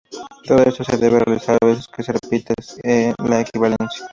Todo esto se debe realizar las veces que se repita la equivalencia.